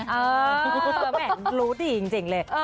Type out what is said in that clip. แหมรู้ดีจริงเลย